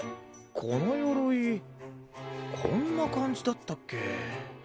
このよろいこんなかんじだったっけ？